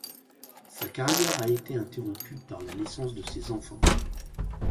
Sa carrière a été interrompue par la naissance de ses enfants.